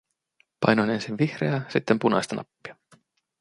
Painoin ensin vihreää, sitten punaista nappia.